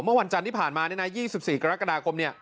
เมื่อวันจันทร์ที่ผ่านมา๒๔กรกฎาคม